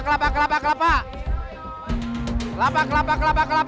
kelapa kelapa kelapa kelapa kelapa